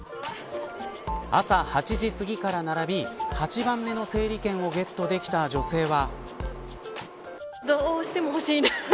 朝８時すぎから並び８番目の整理券をゲットできた女性は。